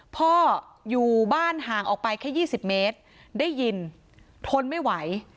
พ่ออยู่บ้านห่างออกไปแค่๒๐เมตรได้ยินทนไม่ไหว